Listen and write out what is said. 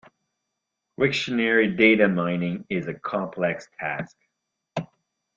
Wiktionary data mining is a complex task.